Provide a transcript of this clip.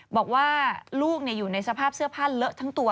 บอกว่าลูกอยู่ในสภาพเสื้อผ้าเลอะทั้งตัว